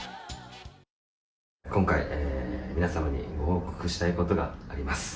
今回、皆様にご報告したいことがあります。